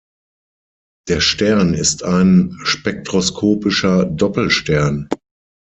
Der Stern ist ein spektroskopischer Doppelstern.